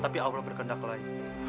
tapi allah berkendah ke lain